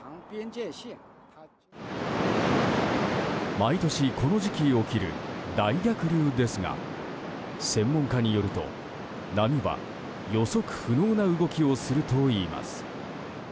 毎年この時期起きる大逆流ですが専門家によると、波は予測不能な動きをするといいます。